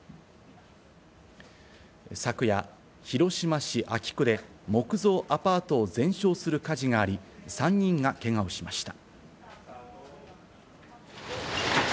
昨夜、広島市安芸区で木造アパートを全焼する火事があり、３人がけがをしました。